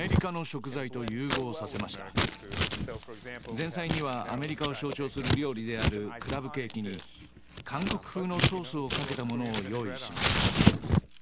前菜にはアメリカを象徴する料理であるクラブケーキに韓国風のソースをかけたものを用意します。